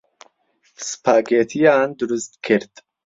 سپاگێتییان دروست کرد.